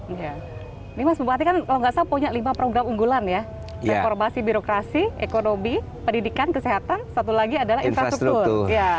ini mas bupati kan kalau nggak salah punya lima program unggulan ya reformasi birokrasi ekonomi pendidikan kesehatan satu lagi adalah infrastruktur